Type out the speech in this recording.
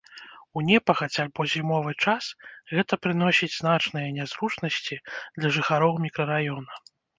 У непагадзь або зімовы час гэта прыносіць значныя нязручнасці для жыхароў мікрараёна.